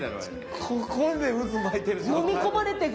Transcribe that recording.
ここで渦巻いてる。